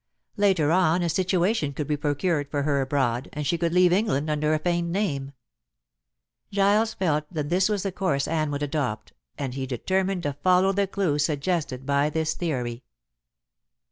Later on a situation could be procured for her abroad, and she could leave England under a feigned name. Giles felt that this was the course Anne would adopt, and he determined to follow the clue suggested by this theory.